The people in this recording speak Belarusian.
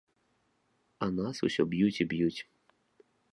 А нас усё б'юць і б'юць!